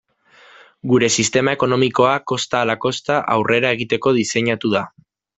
Gure sistema ekonomikoa kosta ala kosta aurrera egiteko diseinatu da.